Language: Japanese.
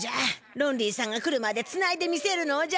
ロンリーさんが来るまでつないでみせるのじゃ。